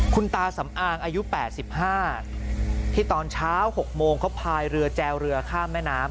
คุณตาสำอางอายุ๘๕ที่ตอนเช้า๖โมงเขาพายเรือแจวเรือข้ามแม่น้ำ